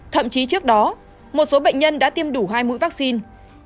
thậm chí trước đó một số bệnh nhân đã tiêm đủ hai mũi vaccine